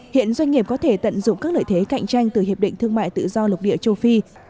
hiện doanh nghiệp có thể tận dụng các lợi thế cạnh tranh từ hiệp định thương mại tự do lục địa châu phi